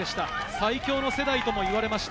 最強の世代とも言われました。